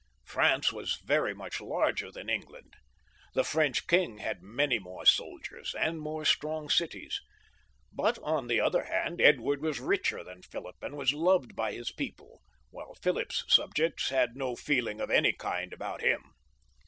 France was very much larger than England, the French king had many more soldiers, and more strong cities ; but on the other hand, Edward was richer than Philip, and was loved by his people, while Philip's subjects had no feeling of any kind about him.